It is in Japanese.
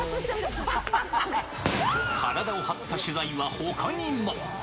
ちょっと、体を張った取材はほかにも。